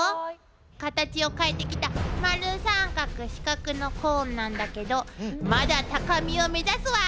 カタチを変えてきた丸三角四角のコーンなんだけどまだ高みを目指すわ！